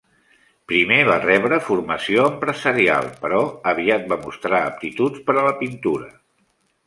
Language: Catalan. Primer va rebre formació empresarial, però aviat va mostrar aptituds per a la pintura.